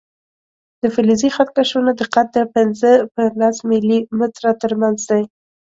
د فلزي خط کشونو دقت د پنځه په لس ملي متره تر منځ دی.